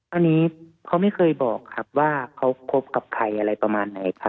อันนี้เขาไม่เคยบอกครับว่าเขาคบกับใครอะไรประมาณไหนครับ